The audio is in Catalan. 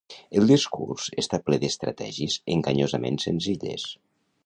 El discurs està ple d'estratègies enganyosament senzilles.